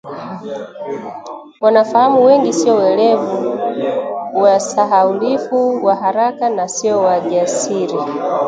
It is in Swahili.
Wanafahamu wengi sio welevu, wasahaulifu wa haraka, na sio wajasiri